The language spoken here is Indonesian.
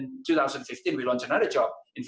kami meluncurkan pekerjaan lainnya